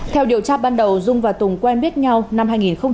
theo điều tra ban đầu dung và tùng quen biết nhau năm hai nghìn một mươi